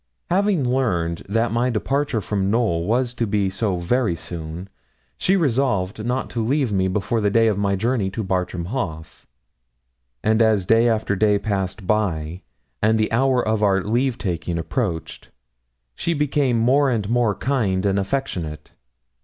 Having learned that my departure from Knowl was to be so very soon, she resolved not to leave me before the day of my journey to Bartram Haugh; and as day after day passed by, and the hour of our leave taking approached, she became more and more kind and affectionate.